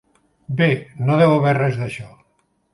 Bé, no deu haver res d'això.